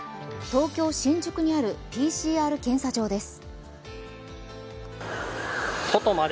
東京・新宿にあるＰＣＲ検査場です。